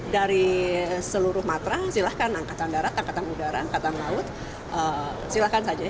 dari seluruh matra silahkan angkatan darat angkatan udara angkatan laut silakan saja